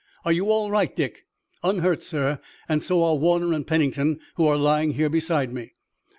"Are you all right, Dick?" "Unhurt, sir, and so are Warner and Pennington, who are lying here beside me."